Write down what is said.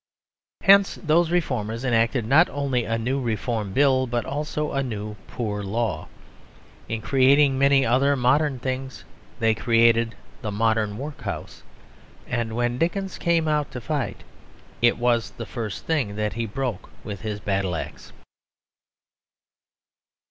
Hence those reformers enacted not only a new reform bill but also a new poor law. In creating many other modern things they created the modern workhouse, and when Dickens came out to fight it was the first thing that he broke with his battle axe.